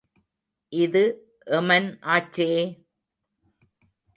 இது எமன் ஆச்சே!